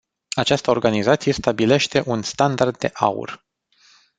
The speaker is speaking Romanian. Această organizație stabilește un "standard de aur”.